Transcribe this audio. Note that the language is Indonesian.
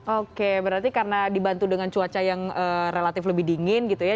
oke berarti karena dibantu dengan cuaca yang relatif lebih dingin gitu ya